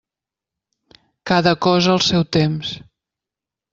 Cada cosa al seu temps.